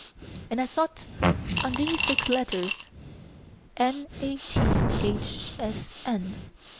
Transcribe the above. And I thought on these six letters: M. A. T. H. S. N.